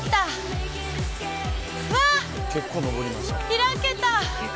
開けた。